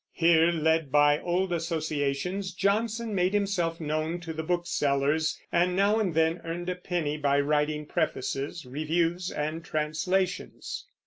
Here, led by old associations, Johnson made himself known to the booksellers, and now and then earned a penny by writing prefaces, reviews, and translations.